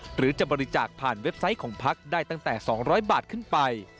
หรือจะบริจาคผ่านเว็บไซต์ของพักได้ตั้งแต่๒๐๐บาทขึ้นไป